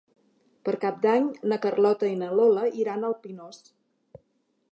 Per Cap d'Any na Carlota i na Lola iran al Pinós.